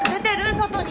外に。